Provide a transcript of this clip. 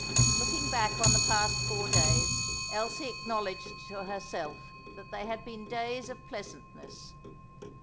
Looking back on the past four days, Elsie acknowledged to herself that they had been days of pleasantness.